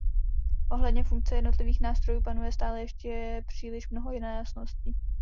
Ohledně funkce jednotlivých nástrojů panuje stále ještě příliš mnoho nejasností.